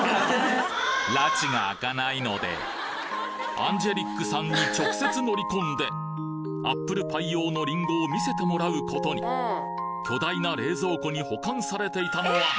アンジェリックさんに直接のり込んでアップルパイ用のリンゴを見せてもらうことに巨大な冷蔵庫に保管されていたのは？